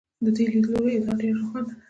د دې لیدلوري ادعا ډېره روښانه ده.